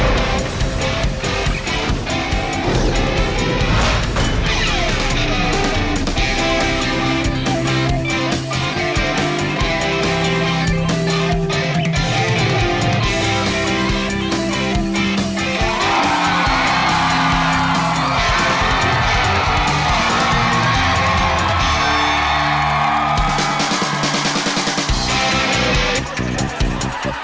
สวัสดีครับ